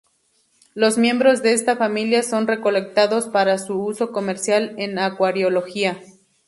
Los miembros de esta familia son recolectados para su uso comercial en acuariología.